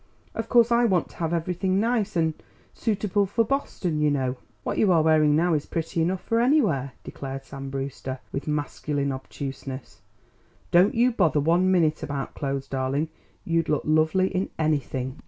Of course I want to have everything nice and suitable for Boston, you know." "What you are wearing now is pretty enough for anywhere," declared Sam Brewster, with masculine obtuseness. "Don't you bother one minute about clothes, darling; you'd look lovely in anything."